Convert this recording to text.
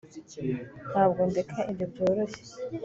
ntabwo ndeka ibyo byoroshye